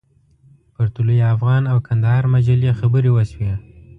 پر طلوع افغان او کندهار مجلې خبرې وشوې.